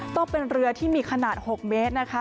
ต้องเป็นเรือที่มีขนาด๖เมตรนะคะ